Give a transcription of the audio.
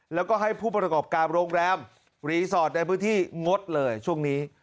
แล้วก็ให้ผู้ประกอบการโรงแรมรีสอร์ทในพื้นที่งดเลยช่วงนี้